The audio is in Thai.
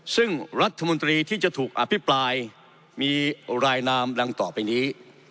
ซึ่งรัฐมนตรีที่จะถูกอภิปรายมีรายนามดังต่อไปนี้